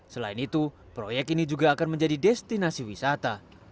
selain itu proyek ini juga akan menjadi destinasi wisata